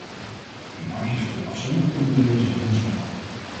De marges voor de afzonderlijke onderdelen zijn heel smal.